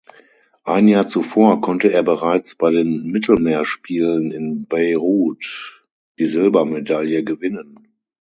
Ein Jahr zuvor konnte er bereits bei den Mittelmeerspielen in Beirut die Silbermedaille gewinnen.